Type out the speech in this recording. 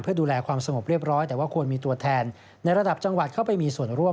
เพื่อดูแลความสงบเรียบร้อยแต่ว่าควรมีตัวแทนในระดับจังหวัดเข้าไปมีส่วนร่วม